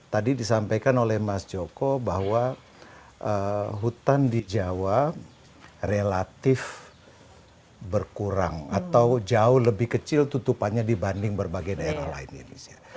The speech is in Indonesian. tadi disampaikan oleh mas joko bahwa hutan di jawa relatif berkurang atau jauh lebih kecil tutupannya dibanding berbagai daerah lain di indonesia